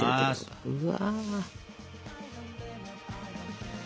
うわ。